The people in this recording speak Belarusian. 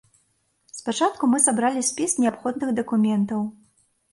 Спачатку мы сабралі спіс неабходных дакументаў.